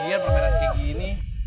tuh nanti kan